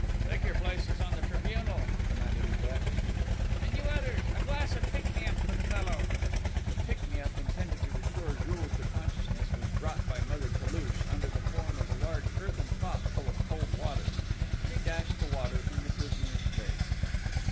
"Take your places on the tribunal!" commanded Nibet. "And you others, a glass of pick me up for the fellow!" The pick me up intended to restore Jules to consciousness was brought by Mother Toulouche, under the form of a large earthen pot full of cold water. She dashed the water in the prisoner's face.